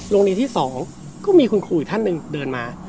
โรงเรียนที่๒ก็มีคุณครูอีกท่านหนึ่งเดินมา